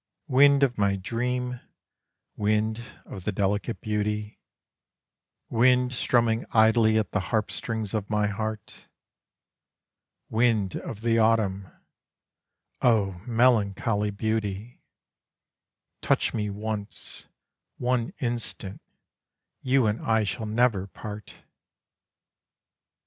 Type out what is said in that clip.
Wind of my dream, wind of the delicate beauty, Wind strumming idly at the harp strings of my heart: Wind of the autumn O melancholy beauty, Touch me once one instant you and I shall never part!